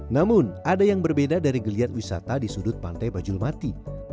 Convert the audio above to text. namun ada yang berbeda dari geliat wisata di sudut pantai bajulmati